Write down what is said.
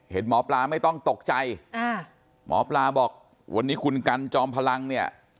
หมอปลาไม่ต้องตกใจหมอปลาบอกวันนี้คุณกันจอมพลังเนี่ย